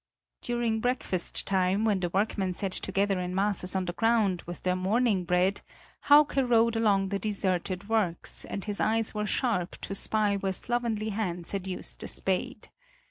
During breakfast time, when the workmen sat together in masses on the ground, with their morning bread, Hauke rode along the deserted works, and his eyes were sharp to spy where slovenly hands had used the spade.